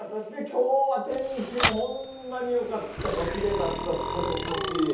今日は天気もほんまによかったからきれいかった、風も気持ちいい。